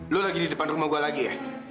lu lagi di depan rumah gua lagi ya